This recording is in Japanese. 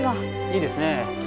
いいですね。